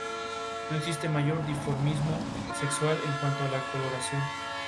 No existe mayor dimorfismo sexual en cuanto a coloración.